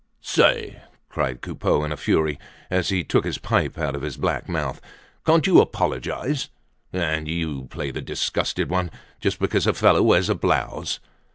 "Say!" cried Coupeau in a fury, as he took his pipe out of his black mouth. "Can't you apologize? And you play the disgusted one? Just because a fellow wears a blouse!"